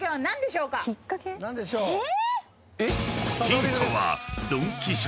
え⁉